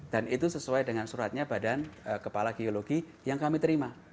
dan itu sesuai dengan suratnya badan kepala geologi yang kami terima